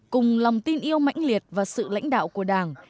cùng lòng tin yêu mạnh liệt và sự lãnh đạo của đảng